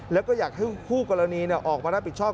แล้วก็อยากให้คู่กรณีออกมารับผิดชอบ